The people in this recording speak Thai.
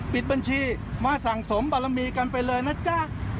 ปิดบัญชีมาสั่งสมบารมีกันไปเลยนะจ๊ะ